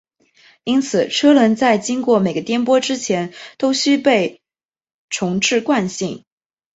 因此车轮在经过每个颠簸之前都须被重置惯性。